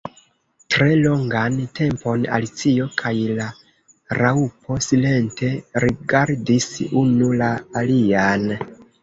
Tre longan tempon Alicio kaj la Raŭpo silente rigardis unu la alian.